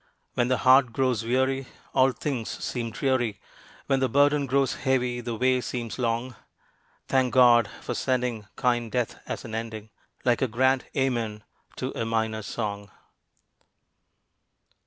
When the heart grows weary, all things seem dreary; When the burden grows heavy, the way seems long. Thank God for sending kind death as an ending, Like a grand Amen to a minor song.